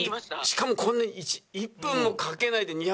しかもこんな１分もかけないで２００万